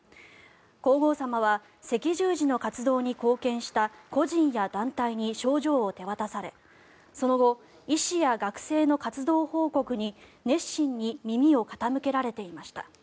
皇后さまは赤十字の活動に貢献した個人や団体に賞状を手渡されその後、医師や学生の活動報告に熱心に耳を傾けられていました。